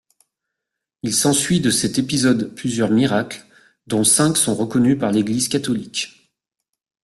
Il s'ensuit de cet épisode plusieurs miracles, dont cinq sont reconnus par l’Église catholique.